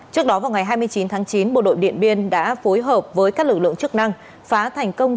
trước đó vào ngày hai mươi chín tháng chín bộ đội điện biên đã phối hợp với các lực lượng chức năng phá thành công